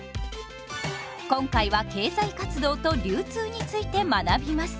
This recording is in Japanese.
今回は「経済活動と流通」について学びます。